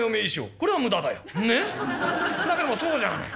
だけどもそうじゃない。